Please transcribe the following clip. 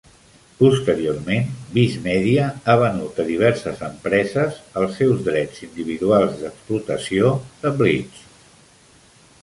Posteriorment, Viz Media ha venut a diverses empreses els seus drets individuals d'explotació de "Bleach".